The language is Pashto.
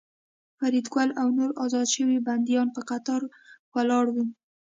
فریدګل او نور ازاد شوي بندیان په قطار ولاړ وو